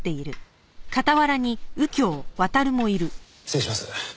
失礼します。